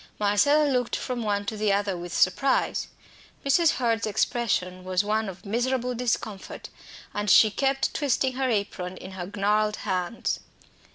Marcella looked from one to the other with surprise. Mrs. Hurd's expression was one of miserable discomfort, and she kept twisting her apron in her gnarled hands.